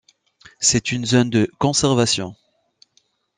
C'est une zone de conservation.